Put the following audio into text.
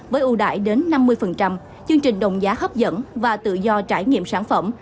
với ưu đại đến năm mươi chương trình đồng giá hấp dẫn và tự do trải nghiệm sản phẩm